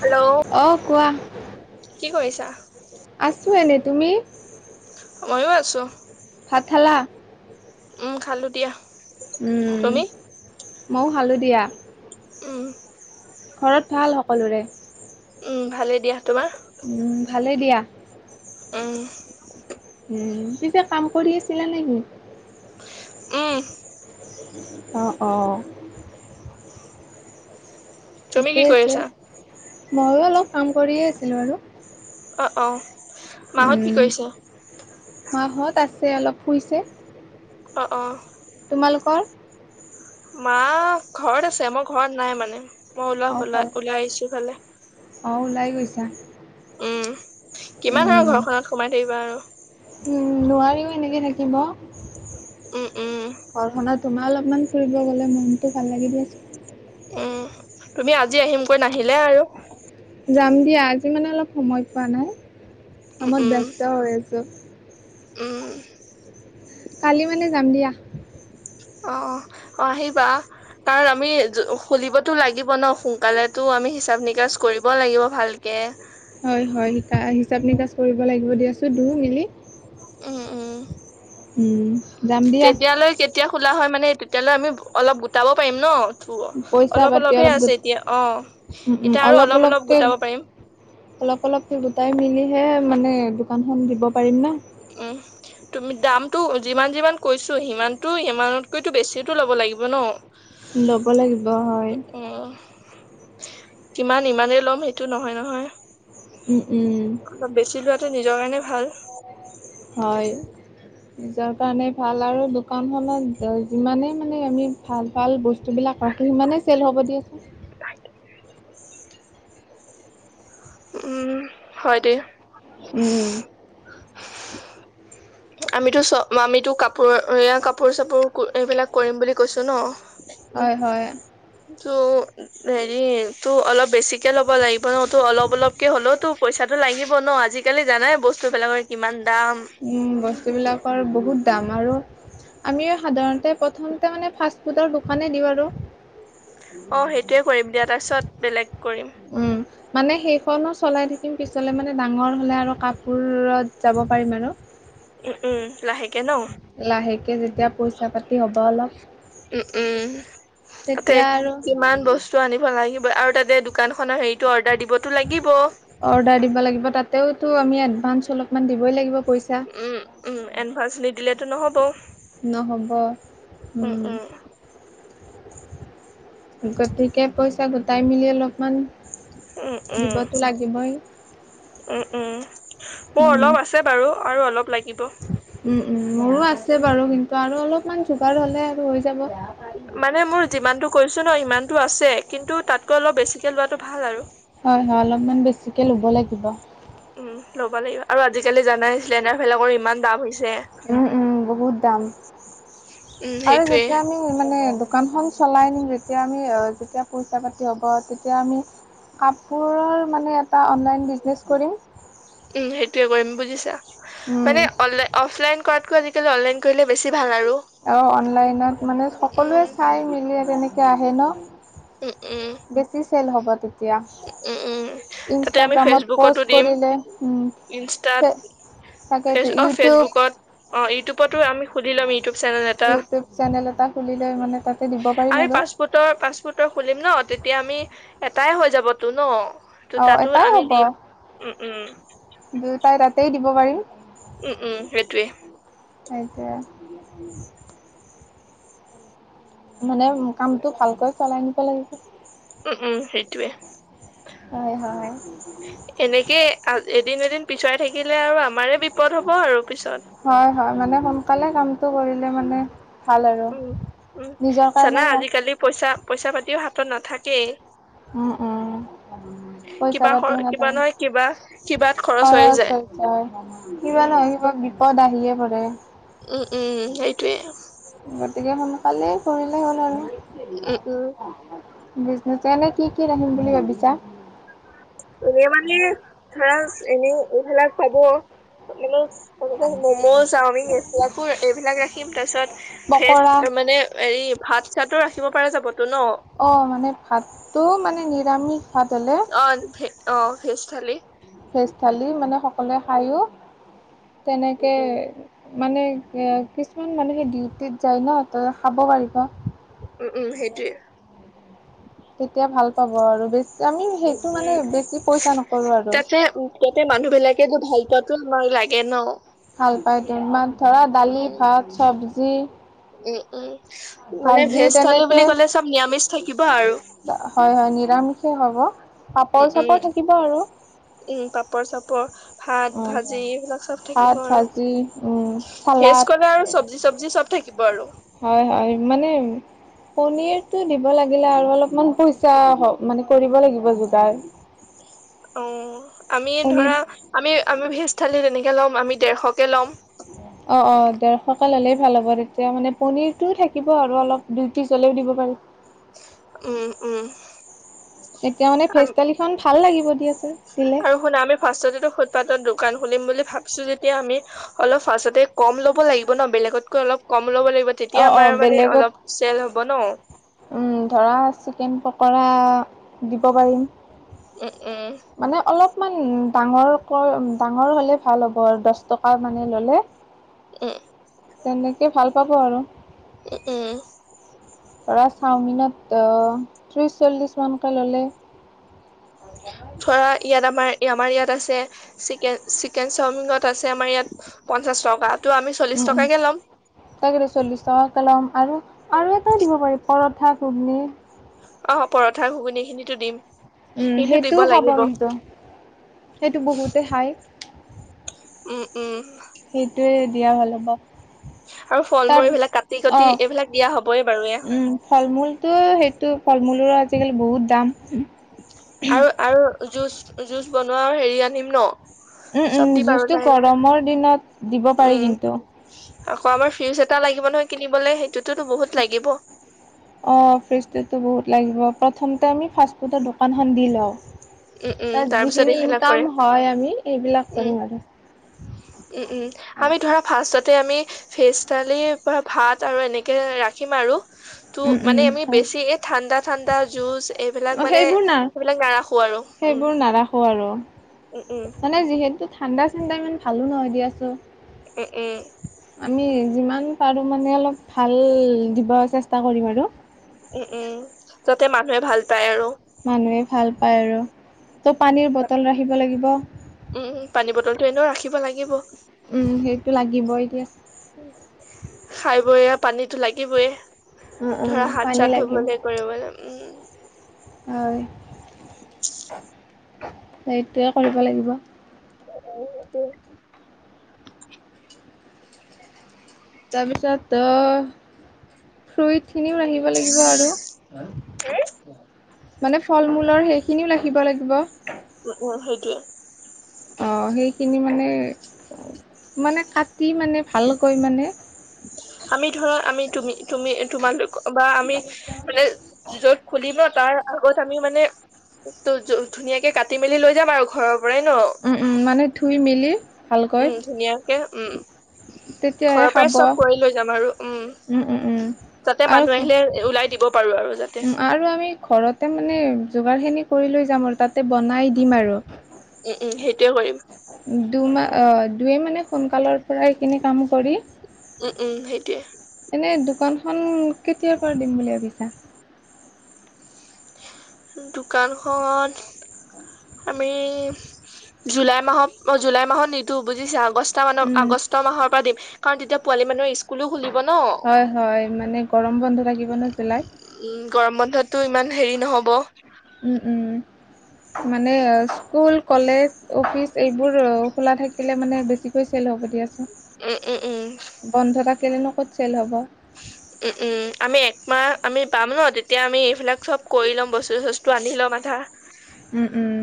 Hello অ', কোৱা কি কৰিছা আছোঁ এনেই তুমি ময়ো আছোঁ ভাত খালা উম খালো দিয়া উম তুমি? ময় খালোঁ দিয়া উম ঘৰত ভাল সকলোৰে ভালেই দিয়া তোমাৰ ভালেই দিয়া উম উম পিছে কাম কৰি আছিলা নেকি? উম অ', অ' তুমি ঠিকে কি কৰি আছে আছা? ময়ো অলপ কাম কৰিয়ে আছিলোঁ বাৰু অ', অ', মাহত কি কৰিছে মাহঁত আছে অলপ শুইছে অ', অ' তোমালোকৰ মা ঘৰত আছে মই ঘৰত নাই মানে মই ওল অ ঘৰ ওলাই ওলাই আহিছো ফালে অ', ওলাই গৈছা উম কিমান আৰু উম ঘৰখনত সোমাই থাকিবা আৰু। উম নোৱাৰিও এনেকে থাকিব উম উম ঘৰখনা তোমাৰ অলপমান ফুৰিব গ'লে মনতটো ভাল লাগি আছে উম তুমি আজি আহিম কৈ নাহিলে আৰু যাম দিয়া আজি মানে অলপ সময় পোৱা নাই উম কামত উম ব্যস্ত হৈ আছো উম কালি মানে যাম দিয়া অ', অ', অ' আহিবা কাৰণ আমি খুলিবতো লাগিব ন সোনকালেেতো আমি হিচাপ নিকাচ কৰিব লাগিব ভালকে এ হয় হয়া হিচাপ নিকাচ কৰিব লাগিব দিয়াচোন দু মিলি উম উম ওম তেতিয়ালৈ কেতিয়া খোলা হয় মানে তেতিয়ালৈ আমি অলপ গোটাব পাৰিম ন পইচা অলপ পাতি অলপহে গোট আছে এতিয়া অ', উম উম এতিয়া আৰু অলপ অলপ অলপকে গোটাব পাৰিম। অলপ অলপ গোটাই মিলিহে মানে দোকানখন দিব পাৰিম না উম তুমি দামটো যিমান যিমান কৈছোঁ সিমানটো সিমানতকৈতো বেছিো ল'ব লাগিব ন ল'ব লাগিব হয়। অ, কিমান ইমানেই ল'ম সেইটো নহয় নহয়। উম, উম। অলপ বেছি লোৱাটো নিজৰ কাৰণে ভাল। হয়। নিজৰ কাৰণে ভাল আৰু দোকানখনত যিমানেই মানে আমি ভাল-ভাল বস্তুবিলাক ৰা সিমানেই চেল হ'ব দিয়াচোন। উম, হয় দে। উম। [inaudible] আমিতো চ আমিতো কাপোৰ এয়া কাপোৰ-চাপোৰ এইবিলাক কৰিম বুলি কৈছো ন। হয় হয় ত' হেৰি ত' অলপ বেছিক ল'ব লাগিব ন ত' অলপ-অলপকে হ'লেও ত' পইচাতো লাগিব ন আজিকালি জানাই বস্তুবিলাকৰ কিমান দাম। উম, বস্তুবিলাকৰ বহুত দাম আৰু আমি সাধাৰণতে প্ৰথমতে মানে ফাষ্ট ফুডৰ দোকানে দিওঁ আৰু। অ, সেইটোৱে কৰিম দিয়া তাৰপিছত বেলেগ কৰিম। উম। মানে সেইখনো চলাই থাকিম পিছলে মানে ডাঙৰ হলে আৰু কাপোৰত যাব পাৰিম আৰু। উম উম লাহেকে ন লাহেকে যেতিয়া পইচা-পাতি হব অলপ। উম, উম, তে তেতিয়া আৰু কিমান বচ তু আনিব লাগিব আৰু তাতে দোকানখনৰ হেৰিটো অৰ্ডাৰ দিবতো লাগিব। অৰ্ডাৰ দিব লাগিব তাতেওতো আমি এডভান্স অলপমান দিবই লাগিব পইচা। উম, উম, এডভাঞ্চ নিদিলেতো নহ'ব। নহ'ব, উম। গতিকে পইচা গোটাই মেলি অলপমান উম, উম। দিবতো লাগিবই উম, উম, উম। অলপ আছে বাৰু আৰু অলপ লাগিব। উম, উম, মোৰো আছে বাৰু কিন্তু আৰু অলপমান যোগাৰ হলে আৰু হৈ যাব। মানে মোৰ যিমানতো কৈছো ন ইমানতো আছে, কিন্তু তাতকৈ অলপ বেছিকে লোৱাটো ভাল আৰু। হয়, হয়, অলপমান বেছিকৈ ল'ব লাগিব। উম, ল'ব লাগিব আৰু আজিকালি জানাই লেণ্ডাৰ বিলাকৰ ইমান দাম হৈছে। উম, উম, বহুত দাম উম আৰু সেইটোয়ে যেতিয়া আমি। মানে দোকানখন চলাই নিম যেতিয়া আমি আ যেতিয়া পইচা-পাতি হ'ব তেতিয়া আমি কাপোৰৰ মানে এটা অনলাইন বিজনেছ কৰিম। উম, সেইটোয়ে কৰিম বুজিছা, উম, মানে অনলা অফলাইন কৰাতকৈ আজিকালি অনলাইন কৰিলে বেছি ভাল আৰু। অ, অনলাইনত মানে সকলোৱে উম চাই মেলি তেনেকে আহে ন। উম উম বেছি চেল হ'ব তেতি উম, উম, তাতে আমি ফেচবুকতো প'ষ্ট দিম কৰিলে উম, ইনষ্টাত ফেচ তাকেইতো অ ইউটিউব ফেচবুকত অ ইউটিউবতো আমি সুধি লম ইউটিউব চেনেল এটা ইউটিউব চেনেল এটা খুলিলৈ মানে তাতে দিব পাৰিম আৰু। ফাষ্টফুডৰ খুলিম ন তেতিয়া আমি এটাই হৈ যাবতো ন। ত অঁ তাতো এটাই আমি হ'ব দিম, উম, উম। দুয়োটাই তাতেই দিব পাৰিম। উম, উম, সেইটোয়ে। সেইটোয়ে। মানে কামটো ভালকৈ চলাই নিব লাগিব, উম উম সেইটোৱে হয়, হয়। এনেকে আ এদিন-এদিন পিছুৱাই থাকিলে আৰু আমাৰে বিপদ হ'ব আৰু পিছত। হয় হয় মানে সোনকালে কামটো কৰিলে মানে ভাল আৰু উম, উম নিজৰ জানা কাৰণেই ভাল আজিকালি পইচা পইচা পাতিও হাতত নাথাকেই। উম, উম। [inaudible] পইচা কিবা পাতিও কিবা নাথাকে নহয় কিবা কিবাত খৰচ হৈ যায় হৈছে হয় কিবা উম। নহয় কিবা বিপদ আহিয়ে পৰে। উম, উম সেইটোৱে। গতিকে সোনকালেই কৰিলে হ'ল আৰু। উম উম বিজনেচ এনে কি কি ৰািম বুলি ভাবিছা? এনে মানে ধৰা এনেই এইবিলাক পাব মানে তেনেকে ম'ম' চাওমিন এবিলাকো এইবিলাক ৰাখিম তাৰপিছত পকৰা ফেজ মানে হৰি ভাত চাতো ৰাখিব পৰা যাবতো ন। অ', মানে ভাতটো মানে নিৰামিষ ভাত হ'লে অ ভে- অ', ভেজ থালি। ভেজ থালি মানে সকলোৱে উম খায়ো উম তেনেকে উম মানে কিছুমান মানুহ সে ডিউটিত যায় ন ত খাব পাৰিব। উম, উম সেইটোৱে। তেতিয়া ভাল পাব আৰু বেছ আমি উম সেইটো উম মানে বেছি পইচা নকৰো আৰু। তে মানুহবিলাকে ভাল পোৱাতো আমাৰ লাগে ন। ভাল পায় তোমাৰ ধৰা দালি উম ভাত চবজি। উম, উম মানে ভাজি ভেজ থালি তেনেকে বুলি ক'লে চব নিৰামিষ থাকিব আৰু। হয়, হয় নিৰামিষে হ'ব উম পাপৰ উম চাপৰ থাকিব আৰু। উম, পাপৰ চাপৰ ভাত উম। ভাজি এইবিলাক চব ভাত, থাকিব আৰু ভাজি, উম, ভেজ চালাড কলে আৰু চব্জি চবজি চব থাকিব আৰু। হয়, হয় মানে পনীৰতটো দিব লাগিলে আৰু অলপমান পইচা মানে কৰিব লাগিব যোগাৰ। অ', আমি পনীৰ ধৰা আমি আমি ভেজ থালি তেনেকে ল'ম আমি দেৰশকে ল'ম। অ', অ', ডেৰশকে হ'লেই ভাল হ'ব তেতিয়া মানে পনিৰতটোও থাকিব আৰু অলপ দুই পিচ হ'লেও দিব পাৰি। উম, উম। এতিয়া মানে ভেজ আমি থালীখন ভাল লাগিব দিয়াচোন। দিলে আৰু শুনা আমি ফাৰ্ষতেতো ফুটপথৰ দোকান খুলিম বুলি ভাবছো যেতিয়া আমি অলপ ফাচতে কম ল'ব লাগিব ন বেলেগতকৈ অলপ কম ল'ব লাগিব অ তেতিয়া অ আমাৰ মানে বেলেগত অলপ চেল হ'ব ন। উম, ধৰা চিকেন পকৰা দিব পাৰিম। উম, উম। মানে অলপমান ডাঙৰক ডাঙৰ হলে ভাল হ'ব আৰু দহ টকা মানে ল'লে। উম। তেনেকে ভাল পাব আৰু। উম, উম। ধৰা চাওমিনত ত্ৰিশ চল্লিছ মানকৈ ল'লে। ধৰা ইয়াত আমাৰ আমাৰ ইয়াত আছে চিকেন চিকেন চাওমিনত আছে আমাৰ ইয়াত পঞ্চাশ টকা তে আমি চল্লিশ টকাকে ল'ম। তাকেইটা চল্লিছ টকাকৈ ল'ম আৰু এটাইও দিব পাৰি পৰঠা ঘুগনি। অ', পৰঠা ঘুগুনীখিনিতো দিম। উম, কিন্তু দিব সেইটোও লাগিব সাবমণ সেইটো বহুতে খাই। উম, উম। সেইটোয়ে দিয়া হ'ল হ'ব। [inaudible] মূল তাৰ এইবিলাক কাটি কাটি অ' এইবিলাক দিয়া হ'বই বাৰু এয়া উম ফল মূলতটো সেইটো ফল মূলৰো আ আজিকালি বহুত দাম। আৰু আৰু জুচ জুচ বনোৱা হেৰি আনিম ন'? উম, চব উম, দিম আৰু জুচটো লাহে লাহে গৰমৰ দিনত দিব পাৰি উম কিন্তু। আকৌ আমাৰ ফিজ এটা লাগিব নহয় কিনিবলে, সেইটোতোতো বহুত লাগিব। অ' ফ্ৰিজটোতো বহুত লাগিব। প্ৰথমতে আমি ফাষ্টফুট দিম। দোকানখন দি লওঁ উম উম তাত তাৰ পিছত যিখিনি এইবিলাক কৰে ইনকাম হয় আমি সেইবিলাক উম কৰিম আৰু। উম, উম। অ আমি ধৰা ফাষ্টতে আমি ফেজ দালিৰপৰা ভাত আৰু এনেকে ৰাখিম আৰু। তো উম উম মানে আমি হয় বেছি এই ঠাণ্ডা ঠাণ্ডা জুচ এইবিলাক মানে সেইবোৰ না সেইবিলাক নাৰাখো আৰু উম সেইবোৰ নাৰাখো আৰু। উম উম মানে যিহেতু ঠাণ্ডা চাণ্ডা ইমান ভালো নহয় দিয়াচুন। উ, উ। আমি যিমান পাৰোঁ মানে অলপ ভাল দিব চেষ্টা কৰিম আৰু। উ, উ। যাতে মানুহে ভাল পায় আৰু। মানুহে ভাল পায় আৰু। ত' পানীৰ বটল ৰাখিব লাগিব। উম, পানী বটলটো এনেও ৰাখিব লাগিব। উম, সেইটো লাগিবই দিয়া। খাই বই পানীতো লাগিবয়ে, উম ধৰা উম হাত পানী চাত লাগিব ধুবলৈ। কৰিবলে উম। হয়, সেইটোৱে কৰিব লাগিব। [unintelligible] তাৰপিছত তই ফ্ৰুইটখিনিও আনিব লাগিব আৰু। মানে ফল মূলৰ সেইখিনিও ৰাখিব লাগিব। উ, উ, সেইটোৱে। অ' সেইখিনি মানে, মানে কাটি মানে ভালকৈ মানে আমি ধৰা আমি তুমি তুমি তোমালোক বা আমি মানে য'ত খুলিব তাৰ আগত আমি মানে ত' ধুনীয়াকে কাটি মেলি লৈ যাম আৰু ঘৰৰ পৰাই ন'? উ, উ, মানে ধুই মেলি ভালকৈ উম, ধুনীয়াকে উম, তেতিয়াহে ঘৰৰপৰাই খাব। চব কৰি লৈ যাম আৰু উম। উম, উম। তাতে আৰু মানুহ ঘ- আহিলে ওলাই দিব পাৰোঁ আৰু যাতে। উম, আৰু আমি ঘৰতে মানে যোগাৰখিনি কৰি লৈ যাম আৰু তাতে বনাই দিম আৰু। উ, উ, সেইটোৱে কৰিম। দুমাহ দুয়ে মানে সোনকালৰপৰা এইখিনি কাম কৰি উ, উ, সেইটোৱে। এনেই দোকানখন কেতিয়াৰপৰা দিম বুলি ভাবিছা। দোকানখন আমি জুলাই মাহত, অ' জুলাই মাহত নিদিও বুজিছা। অগষ্ট মানৰ উম। আগষ্ট মাহৰপৰা দিম কাৰণ তেতিয়া পোৱালি মানুহৰ স্কুলো খুলিব ন'। হয় হয় মানে গৰম বন্ধ থাকিব ন' জুলাইত। উম, গৰম বন্ধতটো ইমান হেৰি নহ'ব। উম, উম, মানে স্কুল, কলেজ অফিচ এইবোৰ খোলা থাকিলে মানে বেছিকৈ চেল হ'ব দিয়াচোন। উম, উম, উম। বন্ধ থাকিলনো ক'ত চেল হ'ব। উম, উম, আমি একমাহ আমি পাম ন' তেতিয়া আমি এইবিলাক চব কৰি ল'ম, বস্তু চস্তু আনি ল'ম আধা। উম, উম।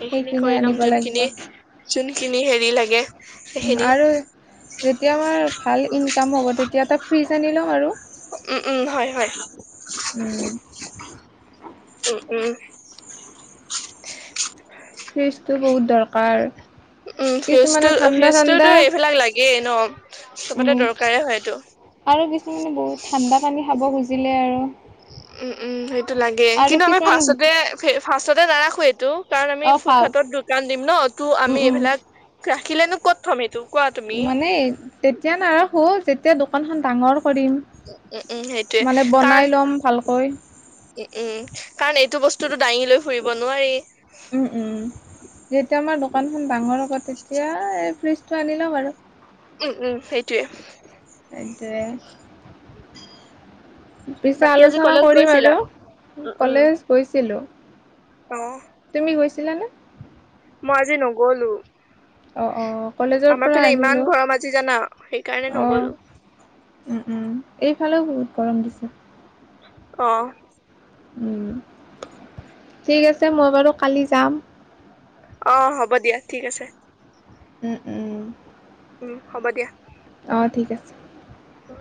সেইখিনি কৰি ল'ম, আনিব লাগিব যোনখিনি যোনখিনি হেৰি লাগে সেইখিনি। তেতিয়া আমাৰ ভাল ইনকাম হ'ব, তেতিয়া এটা ফ্ৰিজ আনি ল'ম আৰু। উম, উম, হয়, হয়, উম। উম, উম। ফ্ৰিজটো বহুত দৰকাৰ। উম, কিছুমানে ফ্ৰিউজটো ঠাণ্ডা ঠাণ্ডা ফ্ৰিউজটোতো এইবিলাক লাগেই ন চবতে উম, দৰকাৰেই হয়টো। আৰু কিছুমানে বহুত ঠাণ্ডা পানী খাব খুজিলে আৰু উম উম সেইটো লাগে আৰু কিন্তু আমি কিছুমান ফাৰ্ষ্টতে ফাৰ্ষ্টতে নাৰাখো এইটো কাৰণ আমি অ, ভাল ফুটপাথৰ দোকান দিম ন তো আমি উম, উম। এইফালাক ৰাখিলেনো ক'ত থম এইটো। কোৱা তুমি মানে তেতিয়া নাৰাখো যেত যেতিয়া দোকানখন ডাঙৰ কৰিম উম উম সেইটোয়ে মানে কাৰণ বনাই ল'ম ভালকৈ উম, উম, কাৰণ এইটো বস্তুটো দাঙি লৈ ফুৰিব নোৱাৰি। যেতিয়া আমাৰ দোকানখন ডাঙৰ হ'ব তেতিয়া এই ফ্ৰীজটো আনি ল'ম আৰু। উম, উম, সেইটোৱে। এইটোৱে। পিছে বাকী আজি আলোচনা কলেজ কৰিম গৈছিলা আৰু, উম উম কলেজ গৈছিলো। অ'। তুমি গৈছিলা নে? মই আজি নগ'লো। অ', অ', কলেজৰ আমাৰ পৰা ফালে ইমান আহিলোঁ। ঘৰম আজি জানা সেইকাৰণে অ', নগলো। এইফালেও বহুত গৰম দিছে। অ'। উম, ঠিক আছে মই বাৰু কালি যাম। অ', হ'ব দিয়া ঠিক আছে। উম, উম, উম। উম হ'ব দিয়া। অ', ঠিক আছে। অ'।